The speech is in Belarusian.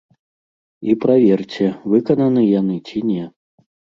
І праверце, выкананы яны ці не.